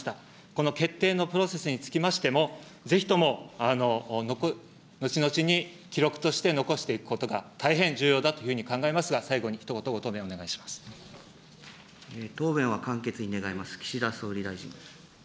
この決定のプロセスにつきましても、ぜひとも後々に記録として残していくことが、大変重要だというふうに考えますが、答弁は簡潔に願います。